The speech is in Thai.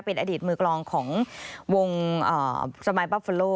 เป็นอดีตมือกลองของวงสมายปัฟเฟอร์โล